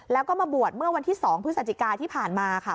แล้วก็มาบวชเมื่อวันที่๒พฤศจิกาที่ผ่านมาค่ะ